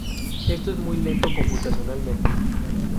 Esto es muy lento computacionalmente.